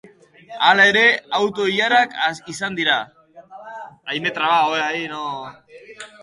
Hala ere, auto-ilarak izan dira.